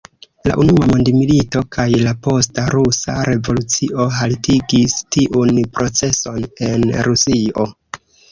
La unua mondmilito kaj la posta rusa revolucio haltigis tiun proceson en Rusio.